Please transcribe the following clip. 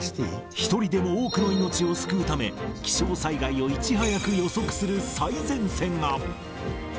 一人でも多くの命を救うため、気象災害をいち早く予測する最前線が。